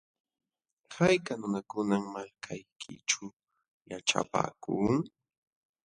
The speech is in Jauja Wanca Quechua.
¿Hayka nunakunam malkaykićhu yaćhapaakun?